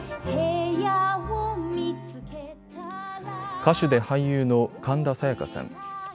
歌手で俳優の神田沙也加さん。